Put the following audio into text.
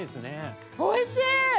おいしい！